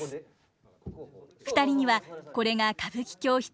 ２人にはこれが歌舞伎教室